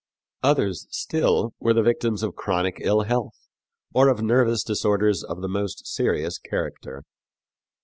Others, still, were the victims of chronic ill health, or of nervous disorders of the most serious character.